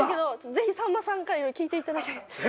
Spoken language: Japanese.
ぜひさんまさんから色々聞いていただけ。